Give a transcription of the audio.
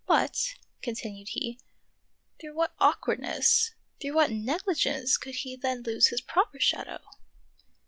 " But," continued he, " through what awkward ness, through what negligence could he then lose his proper shadow.